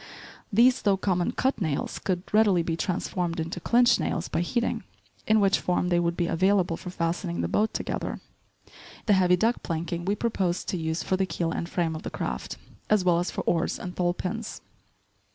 These, though common "cut" nails, could readily be transformed into "clinch" nails by heating, in which form they would be available for fastening the boat together. The heavy deck planking we proposed to use for the keel and frame of the craft, as well as for oars and thole pins.